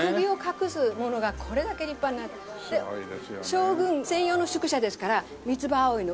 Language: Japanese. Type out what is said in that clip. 将軍専用の宿舎ですから三つ葉葵の。